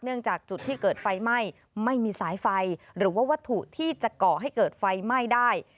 จากจุดที่เกิดไฟไหม้ไม่มีสายไฟหรือว่าวัตถุที่จะก่อให้เกิดไฟไหม้ได้